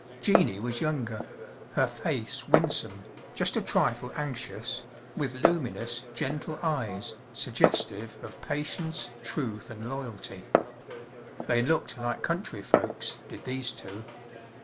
Jeannie was younger; her face winsome, just a trifle anxious, with luminous, gentle eyes, suggestive of patience, truth and loyalty. They looked like country folks, did these two.